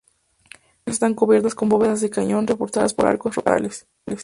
Las naves están cubiertas con bóvedas de cañón reforzadas por arcos torales.